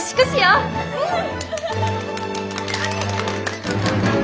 うん！